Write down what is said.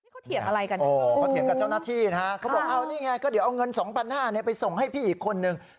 ก็เดี๋ยวเอาเงิน๒๕๐๐ไปส่งให้พี่อีกคนนึง